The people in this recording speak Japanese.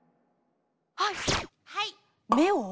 はい！